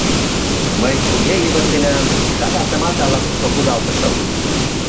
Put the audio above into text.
Мый туге йывыртенам, шагатымат ала-кушко кудалтышым.